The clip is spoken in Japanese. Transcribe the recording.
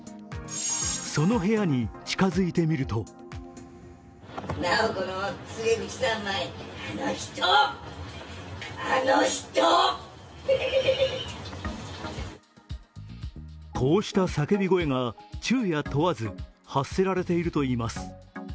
その部屋に近づいてみるとこうした叫び声が昼夜問わず発せられるといいます。